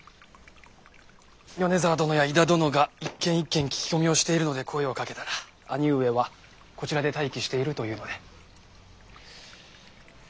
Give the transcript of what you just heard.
米沢殿や井田殿が一軒一軒聞き込みをしているので声をかけたら兄上はこちらで待機していると言うので。